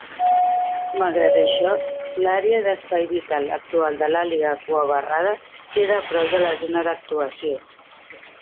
Malgrat això, l'àrea d'espai vital actual de l'àliga cuabarrada queda a prop de la zona d'actuació.